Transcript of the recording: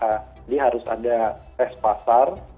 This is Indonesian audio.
jadi harus ada tes pasar